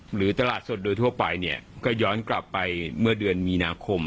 หรือตลาดสดโดยทั่วไปเนี่ยก็ย้อนกลับไปเมื่อเดือนมีนาคม